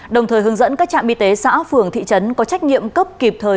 đồng thời hướng dẫn các trạm y tế xã phường thị trấn có trách nhiệm cấp kịp thời